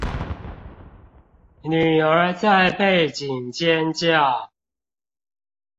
女兒在背景尖叫